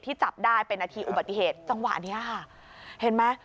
จับได้เป็นนาทีอุบัติเหตุจังหวะเนี้ยค่ะเห็นไหม